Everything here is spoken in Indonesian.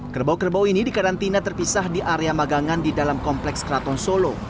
kerbau kerbau ini dikarantina terpisah di area magangan di dalam kompleks keraton solo